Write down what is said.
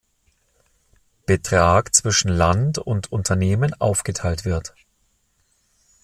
Betrag zwischen Land und Unternehmen aufgeteilt wird.